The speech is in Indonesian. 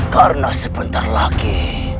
karena sebentar lagi